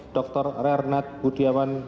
dr rernat budiawan